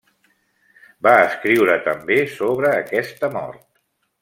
Va escriure també sobre aquesta mort.